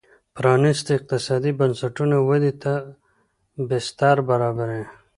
پرانیستي اقتصادي بنسټونه ودې ته بستر برابروي.